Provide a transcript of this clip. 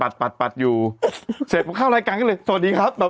อาจจะถูกครบภาพรายการก็เลยสวัสดีครับ